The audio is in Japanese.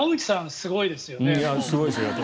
すごいですよね。